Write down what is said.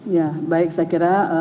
ya baik saya kira